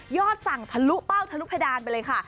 สั่งทะลุเป้าทะลุเพดานไปเลยค่ะ